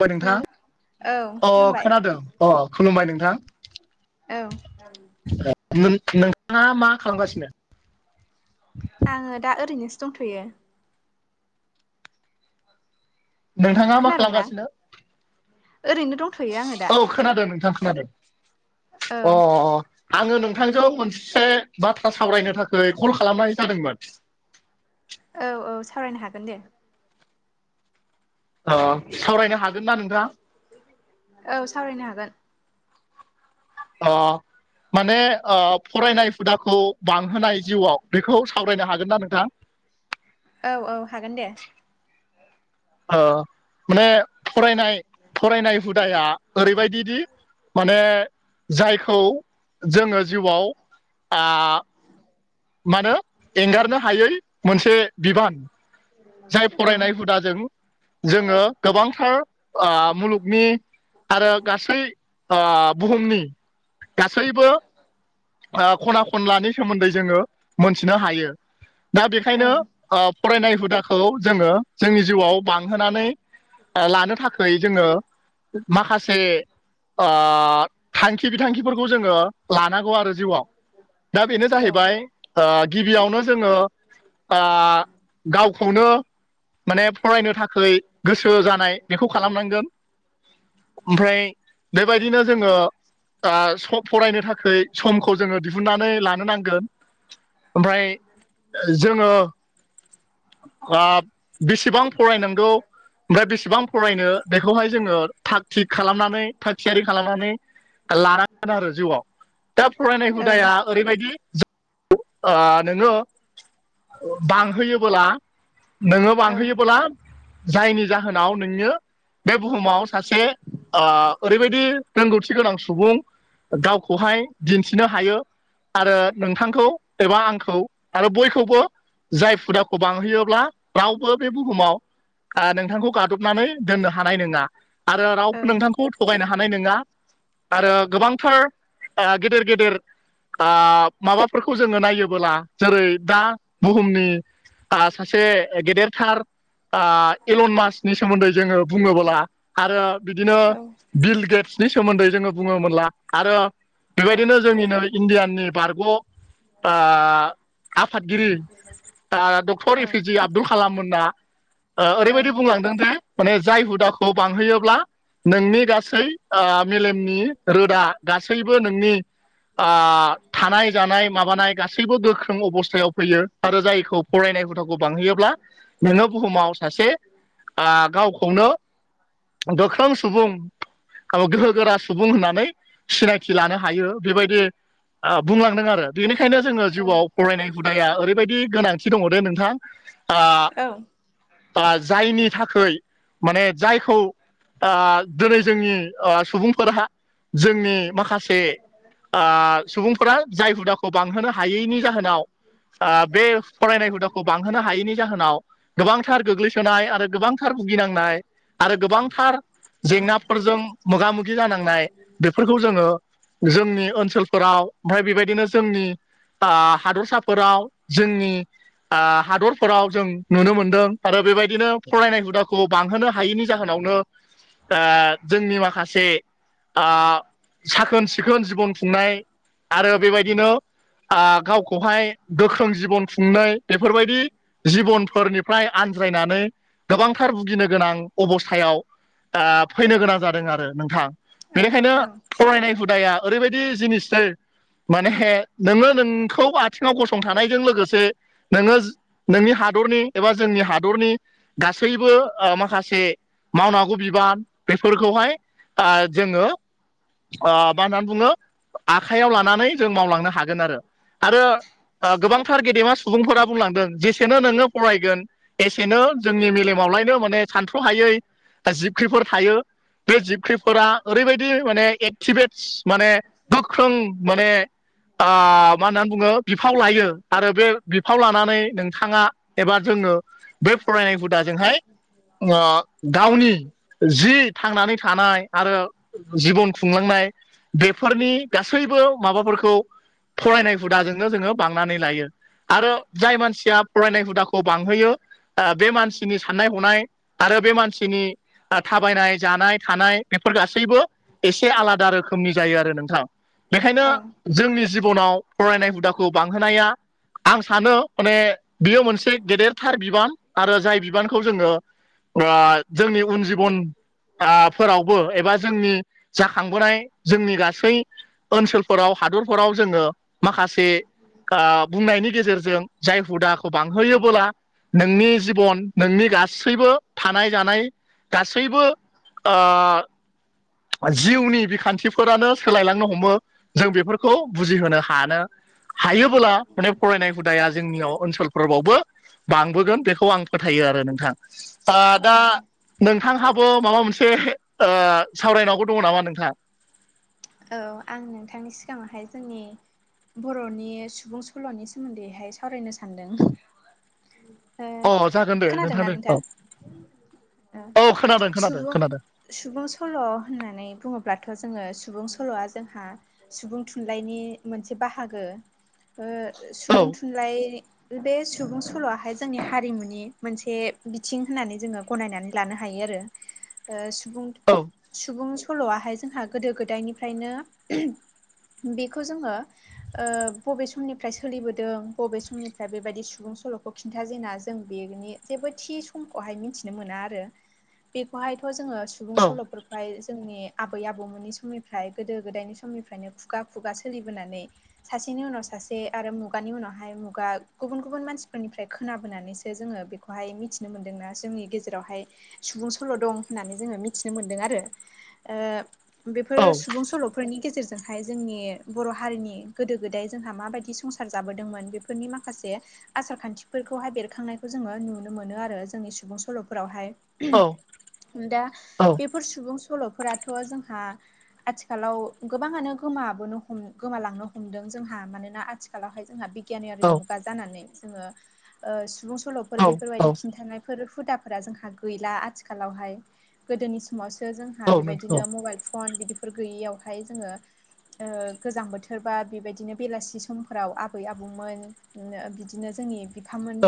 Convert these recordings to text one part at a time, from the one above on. खुुमबाय ओ नोंथां औ अ खुलुमबाय। खोनादों अ खुलुमबाय नोंथां औ नों नोंथाङा मा खालामगासिनो? आङो दा ओरैनोसो दंथ'यो नोंथाङा मा खोनादोंना खालामगासिनो ओरैनो दंथ'यो आङो दा औ खोनादों नोंथां खोनादों औ अ आङो नोंथांजों मोनसे बाथ्रा सावरायनो थाखाय कल खालामनाय जादोंमोन औ औ सावरायनो हागोन दे। अ सावरायनो हागोनना नोंथां? औ सावरायनो हागोन। ओ माने ओ फरायनाय हुदाखौ बांहोनाय जिउआव बेखौ सावरायनो हागोनना नोंथां? औ औ हागोन दे। ओ माने फरायनाय फरायनाय हुदाया ओरैबायदिदि माने जायखौ जोङो जिउआव आ मानो एंगारनो हायै मोनसे बिबान जाय औ फरायनाय हुदाजों जोङो गोबांथार ओ मुलुगनि आरो गासै ओ बुहुमनि गासैबो ओ ख'ना-खनलानि सोमोन्दै जोङो मोनथिनो हायो दा औ बेखायनो ओ फरायनाय हुदाखो औ जोङो जोंनि जिउआव बांहोनानै ओ लानो थाखै जोङो माखासे ओ थांखि बिथांखिफोरखौ जोङो लानांगौ आरो जिउआव दा बेनो औ जाहैबाय ओ गिबियावनो जोङो ओ गावखौनो माने फरायनो थाखै गोसो जानाय बेखौ खालामनांगोन ओमफ्राय बेबायदिनो जोङो ओ फरायनो थाखै समखौ जोङो दिहुननानै लानो नांगोन ओमफ्राय जोङो ओ बेसेबां फरायनांगौ ओमफ्राय बेसेबां फरायनो बेखौहाय जोङो थाग थिग खालामनानै थाग थियारि खालामनानै लानांगोन आरो जिउआव दा फरायनाय औ हुदाया ओरैबायदि ओ नोङो बांहोयोबोला नोङो बांहोयोबोला जायनि जाहोनाव नोङो बे बुहुमाव सासे ओ ओरैबायदि रोंगौथि गोनां सुबुं गावखौहाय दिन्थिनो हायो आरो नोंथांखौ एबा आंखौ आरो बयखौबो जाय हुदाखौबां होयोब्ला रावबो बे बुहुमाव नोंथांखौ गाद'बनानै दोननो हानाय नङा आरो औ रावबो नोंथांखौ थगायनो हानाय नङा आरो गोबांथार ओ गेदेर गेदेर माबाफोरखौ जोङो नायोबोला जेरै दा बुहुमनि सासे गेदेरथार एलन मासनि सोमोन्दै जोङो बुङोबोला आरो बिदिनो औ औ बिल गेट्सनि सोमोन्दै जोङो बुङोमोनला आरो बेबायदिनो जोंनिनोै इण्डियाननि बारग' आफादगिरि doctor A P J Abdul Kalam मोनना ओरैबायदि बुंलांदों दिे माने जाय हुदाखौ खौ बांहोयोब्ला नोंनि गासै मेलेमनि रोदा गासैबो नोंनि थानाय जानाय माबानाय गासैबो गोख्रों अबस्थायाव फैयो। आरो जायखौ फरायनाय बांहोयोब्ला नोङो बुहुमाव सासे गावखौनो गोख्रों सुबुं गो्रह गोरा सुबुं होननानै सिनायथि लानो हायो बेबायदि बुंलांदों आरो बेनिखायनो जोङो जिउआव फरायनाय हुदाया ओरैबायदि गोनांथि दङ दे नोंथां आ औ जायनि थाखाय माने जायखौ दिनै जोंनि सुबुंफोरहा जोंनि माखासे सुबुंफोरा जाय हुदा बांहोनो हायैनि जाहोनाव बे फरायनाय हुदाखौ बांहोनो हायैनि जाहोनाव गोबांथार गोग्लैसोनाय आरो गोबांथार भुगिनांनाय आरो गोबांथार जेंनाफोरजों मोगा मोगि जानांनाय बेफोर फोरखौ जोङो जोंनि ओनसोलफोराव ओमफ्राय बेबायदिनो जोंनि हादरसाफोराव जोंनि हादरफोराव जों नुनो मोनदों आरो बेबायदिनो फरायनाय हुदाखौ बांहोनो हायैनि जाहोनावनो जोंनि माखासे साखोन सिखोन जिबन खुंनाय आरो बेबायदिनो गावखौहाय गोख्रों जिबन खुंनाय बेफोरबायदि जिबनफोरनिफ्राय आन बुज्रायनानै गोबांथार भुगिनो गोनां अबस्थायाव फैनो गोनां जादों आरो नोंथां बेनिखायनो फरायनाय हुदाया ओरैबायदि जिनिसथै माने हे नोङो नोंखौ आथिङाव गसंथानायजों लोगोसे नोङो नोंनि हादरनि एबा जोंनि हादरनि गासैबो माखासे मावनांगौ बिबान बेफोरखौहाय आ जोङो मा होननानै बुङो आखाइयाव लानानै जों मावलांनो हागोन आरो। आरो गोबांथार गेदेमा सुबुंफोरा बुंलांदों जेसेनो नोङो फरायगोन एसेनो जोंनि मेलेमावलायनो माने सानथ्र'हायै जिबख्रिफोर थायो बे जिबख्रिफोरा ओरैबायदि माने िबेटस माने गोख्रों माने मा होननानै बुङो? बिफाव लायो आरो बे बिफाव लानानै नोंथाङा एबा जोङो बै फरायनाय हुदाजोंहाय ओ गावनि जि थांनानै थानाय आरो जिबन खुंलांनाय बेफोरनि गासैबो माबाफोरखौ फरायनाय हुदाजोंनो जोङो बांनानै लायो आरो जाय मानसिया फरायनाय हुदाखौ बांहोयो ओ बे मानसिनि साननाय हनाय आरो बे मानसिनि थाबायनाय जानाय थानाय बेफोर गासैबो एसे आलादा रोखोमनि जायो आरो नोंथां। बेखायनो जोंनि जिबनाव फरायनाय हुदाखौ बांहोनाया आं सानो माने बियो मोनसे गेदेरथार बिबान आरो जाय बिबानखौ जोङो ओ जोंनि उन जिबन फोरावबो एबा जोंनि जाखांबोनाय जोंनि गासै ओनसोलफोराव हादरफोराव जोङो माखासे बुंनायनि गेजेरजों जाय हुदाखौ बांहोयोबोला नोंनि जिबन नोंनि गासैबो थानाय जानाय गासैबो जिउनि बिखान्थिफोरानो सोलायलांनो हमो जों बेफोरखौ बुजिहोनो हानो हायोबोला माने फरायनाय हुदाया जोंनियाव ओनसोलफोरबावबो बांबोगोन बेखौ आं फोथायो आरो नोंथां। आ दा नोंथांहाबो माबा मोनसे सावरायनांगौ दङ नामा नोंथां? औ आं नोंथांनि सिगाङावहाय जोंनि बर'नि सुबुं सल'नि सोमोन्दैहाय सावरायनो सान्दों। अ जागोन दे खोनादोंना दे औ नोंथां? औ खोनादों खोनादों सुबुं खोनादों सुबुं सल' होननानै बुङोब्लाथ' जोङो सुबुं सल'आ जोंहा सुबुं थुनलाइनि मोनसे बाहागो औ सुबुं थुनलाइ बे सुबुं सल'आहाय जोंनि हारिमुनि मोनसे बिथिं होननानै जोङो गनायनानै लानो हायो आरो सुबुं औ सुबुं सल'आहाय जोंहा गोदो गोदायनिफ्रायनो बेखौ जोङो बबे समनिफ्राय सोलिबोदों बबे समनिफ्राय बेबायदि सुबुं सल'खौ खिन्थाजेना जों बेनि जेबो थि समखौहाय मिथिनो मोना आरो बेखौहायथ' जोङो सुबुं औ सल'फोरखौहाय जोंनि आबै आबौमोननि समनि ओमफ्राय गोदो गोदायनि समनिफ्रायनो खुगा खुगा सोलिबोनानै सासेनि उनाव सासे आरो मुगानि उनावहाय मुगा गुबुन गुबुन मानसिफोरनिफ्राय खोनाबोनानैसो जोङो बे खौहाय मिथिनो मोन्दोंना जोंनि गेजेरावहाय सुबुं सल' दं होननानै जोङो मिथिनो मोन्दों आरो बेफोर औ सुबुं सल'फोर फोरनि गेजेरजोंहाय जोंनि बर' हारिनि गोदो गोदाय जोंहा माबायदि संसार जाबोदोंमोन बे फोरनि माखासे आसार खान्थिफोरखौहाय बेरखांनायखौ जोङो नुनो मोनो आरो जोंनि सुबुं औ सल'फोरावहाय दा औ बेफोर सुबुं सल'फोराथ' जोंहा आथिखालाव गोबाङानो गोमाबोनो हम गोमालांनो हमदों जोंहा मानोना आथिखालावहाय जोंहा गियानारि औ मुगा जानानै जोङो सुबुं औ सल'फोर औ बेफोरबायदि खिन्थानाय बेफोर हुदाफोरा जोंहा गैला आथिखालावहाय गोदोनि समावसो जोंहा औ नोंथां बेबायदिनो मबाइल फन बिदिफोर गैयैयावहाय जोङो गोजां बोथोर बा बेबायदिनो बेलासि समफोराव आबै आबौमोन बिदिनो जोंनि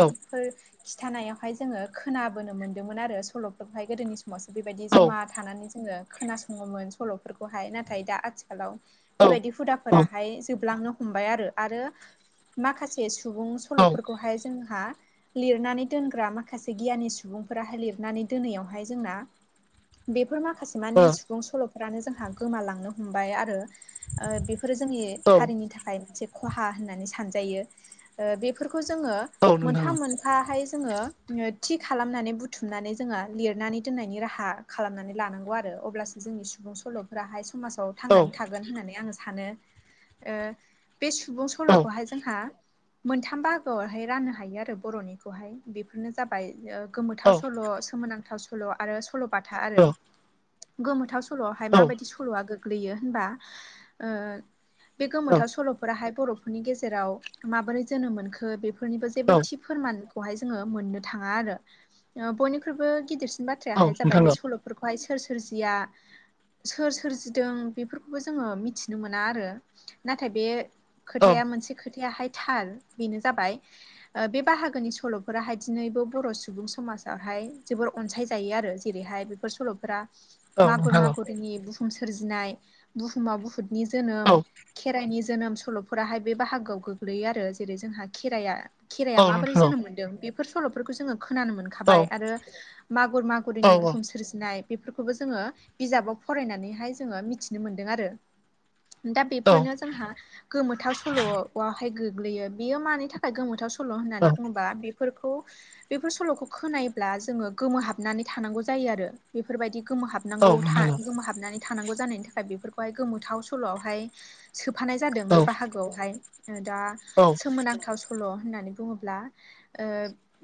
औ खिन्थानायावहाय जोङो खोनाबोनो मोन्दोंमोन आरो सल'फोरखौहाय गोदोनि समावसो बेबायदि औ जमा थानानै जोङो खोनासङोमोन। सल'फोरखौहाय नाथाय दा आथिखालाव बेबायदि औ हुदाफोराहाय जोबलांनो हमबाय आरो आरो माखासे सुबुं औ सल'फोरखौहाय जोंहा लिरनानै दोनग्रा माखासे गियानि सुबुंफोराहाय लिरनानै दोनैयावहाय जोंना बेफोर मा माखासे मानि सुबुं सल'फोरानो जोंहा गोमालांनो हमबाय आरो बेफोरो जोंनि ओ हारिनि थाखाय मोनसे खहा होननानै सानजायो बेफोरखौ जोङो औ नोंथां मोनफा मोनफाहाय जोङो थि खालामनानै बुथुमनानै जोङहा लिरनानै दोननायनि राहा खालामनानै लानांगौ आरो अब्लासो जोंनि सुबुं सल'फोराहाय समाजाव थांनानै औ औ थागोन होननानै आङो सानो ओ बे सुबुं सल'खौहाय जोंहा मोनथाम बाहागोआवहाय राननो हायो आरो बर'निखौहाय बेफोरनो जाबाय गोमोथाव सल' सोमोनां सुंद' सल, सल'बाथा आरो गोमोथाव स सल'आवहाय माबायदि सल'आ गोग्लैयो होनबा ओ बे गोमोथाव औ सल'फोराहाय बर'फोरनि गेजेराव माबोरै जोनोम मोनखो बेफोरनिबो जेबो थि फोरमानखौहाय जोङो मोननो थाङा आरो बयनिख्रुइबो गिदिरसिन औ बाथ्रायाहाय जाबाय बे नोंथां सल'फोरखौहाय सोर सोरजिया सोर सोरजिदों बेफोरखौबो जोङो मिथिनो मोना आरो नाथाय बे औ खोथाया औ मोनसे खोथायाहाय थार बेनो जाबाय बे बाहागोनि सल'फोराहाय दिनैबो बर' सुबुं समाजावहाय जोबोर अनसायजायो आरो जेरैहाय बेफोर सल'फोरा मागुर औ मागुरनि बुहुम सोरजिनाय बुहुमा बुहुतनि जोनोम नोंथां औ खेराइनि जोनोम सल'फोराहाय बे बाहागोआव गोग्लैयो आरो जेरै जोंहा खेराइआ खेराइाया औ माबोरै नोंथां जोनोम मोन्दों बेफोर सल'फोरखौ जोङो खोनानो मोन खाबाय आरो मागुर मागुरिनि बुहुम सोरजिनाय बेफोरखौबो जोङो बिजाबाव फरायनानैहाय जोङो मिथिनो मोन्दों आरो दा बेफोरनो जोंहा गोमोथाव सल'आववहाय गोग्लैयो बेयो मानि थाखाय गोमोथाव स' सल' होननानै बुङोबा बेफोरखौ बेफोर सल'खौ खोनायोब्ला जोङो गोमोहाबनानै थानांगौ जायो आरो बेफोरबायदि गोमोहाबनांगौ औ गोो हाबनानै थानांगौ जानायनि थाखाय बेफोरखौहाय गोमोथाव सल'हाय सोफानाय जादों बे बागो हाय दा औ नोंथां सोमोनांथाव सल' होननानै बुङोब्ला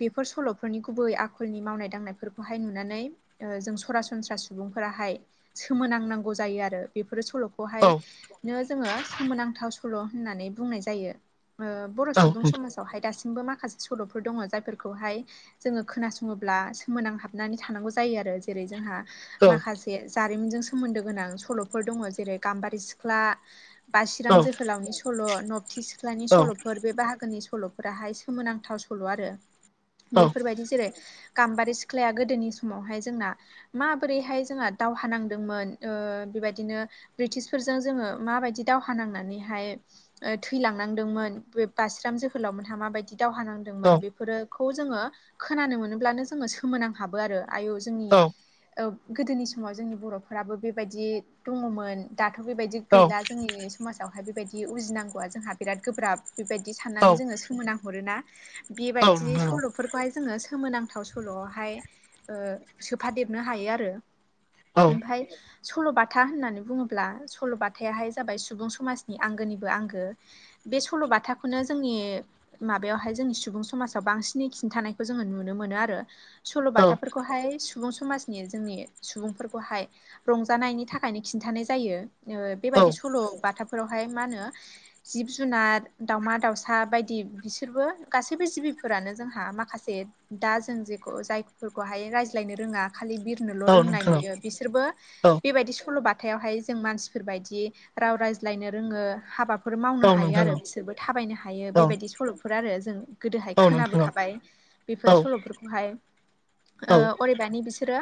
बेफोर सल'फोरनि गुबै आखलनि मावनाय दांनायफोरखौहाय नुनानै जों सरासनस्रा सुबुं फोराहाय सोमोनांनांगौ जायो आरो बेफोर औ सल'खौहायनो जोङो सोमोनांथाव सल' होननानै बुंनाय जायो बर' सुबुं औ समाज वहाय दासिमबो माखासे सल'फोर दङ जायफोरखौहाय जोङो खोनासङोब्ला सोमोनांहाबनानै थानांगौ जायो आरो जेरै जोंहा औ औ माखासे जारिमिनजों सोमोन्दो गोनां सल'फोर दङ जेरै गाम्बारि सिख्ला औ बासििराम जोहोलावनि सल' नबथि सिख्लानि सल' फोर बे बाहागोनि सल'फोराहाय सोमोनांथाव सल' आरो बेफोरबायदि जेरै गाम्बारि सिख्लाया गोदोनि समावहाय जोंना मा बोरैहाय जोंहा दावहा नांदोंमोन बेबायदिनो ब्रिटिसफोरजों जोङो माबायदि दावहा नांनानैहाय थैलांनांदोंमोन बे बास्राम जोहोलाव मोनहा माबायदि दावहा नांदोंमोन बेफोरोफोरखौ जोङो खोनानो मोनोब्लानो जोङो सोमोनां हाबो आरो आयु जोंनि गोदोनि समाव जोंनि बर'फोराबो बेबायदि दङमोन दाथ' बेबायदि औ गैला जोंनि समाजावहाय बेबायदि उजिनांगौआ जोंहा बिराद गोब्राब बेबायदि औ साननानै जोङो सोमोनांहरोना औ बेबायदि नोंथां सल'फोरखौहाय जोङो सोमोनांथाव सल'आवहाय सोफादेर नो हायो आरो औ ओमफ्राय सल'बाथा होननानै बुङोब्ला सल'बाथाहाय जाबाय सुबुं समाजनि आंगोनिबो आंगो बे सल'बाथाखौनो जोंनि माबायावहाय जोंनि सुबुं समाजाव बांसिनै खिन्थानायखौ जोङो नुनो मोनो आरो सल'बाथाफोरखौहाय सुबुं समाजनि जोंनि सुबुंफोरखौहाय रंजानायनि थाखायनो खिन्थानाय जायो बेबायदि सल' बाथाफोरावहाय मा होनो जिब जुनार दाावमा दाउसा बायदि बिसोरबो गासैबो जिबिफोरानो जोंहा माखासे दा जों जेखौ जायफोरखौहाय रायज्लायनो रोङा खालि औ बिरनोल' रोंनाय नोंथां नुयो बिसोरबो औ बेबायदि सल' बाथायावहाय जों मानसिफोरबायायदि राव रायज्लायनो रोङो हाबा फोर औ मावनो हायो नोंथां औ आरो बिसोरबो थाबायनो हायो बेबायदि सल'फोर आरो जों गोदोहाय औ नोंथां खोनाबोखाबाय औ बेफोर सल'फोरखौहाय औ अदेबानि बिसोरो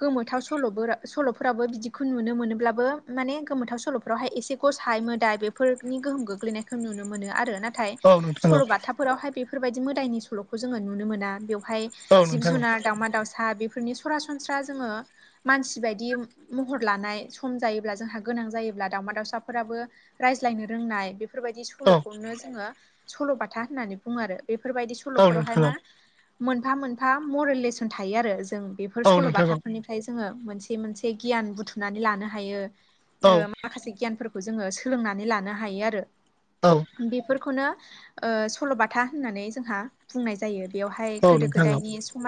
गोमोथाव सल' सल'फोराबो बिदिखौ नुनो मोनोब्लाबो माने गोमोथाव सल'फोर बेफोरावहाय एसे गसाइ मोदाय बेफोरनि गोहोम गोग्लैनायखौ नुनो मोनो आरो ना नाथाइ औ नोंथां सलबाथाफोरावहाय बेफोरबायदि मोदायनि सलखौ जों नुनो मोना बेवहाय औ जिब नोंथां जुनार दावउमा दाउसा बेफोरनि सरासनस्रा जोङो मानसि बायदि महर लानाय सम जायोब्ला जोंहा गोनां जायोब्ला दाउमा दाउसाफोराबो रायज्लायनो रोंनाय बेफोरबायदि औ सल'खौनो जोङो सल'बाथा होननानै बुङो आरो बेफोरबायदि स औ सल'फोरावहाय नोंथां औ नोंथां औ मा मोना मोनफा मरेल लेसन थायो आरो जों बेफोर सल' बाथाफोरनिफ्राय थाय जोङो मोनसे मोनसे गियान बुथुमनानै लानो हायो माखासे गियानफोरखौ जोङो सोलोंनानै लानो हायो आरो बेफोरखौनो ओ सल'बाथा होननानै जोंहा बुंनाय जायो बेवहाय औ गोदो नोंथां औ गोदायनि समाज